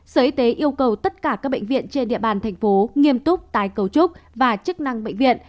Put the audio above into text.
sở y tế yêu cầu tất cả các bệnh viện trên địa bàn thành phố nghiêm túc tái cấu trúc và chức năng bệnh viện